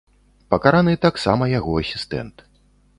Пакараны таксама яго асістэнт.